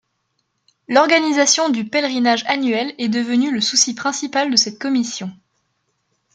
L'organisation du pèlerinage annuel est devenue le souci principal de cette commission.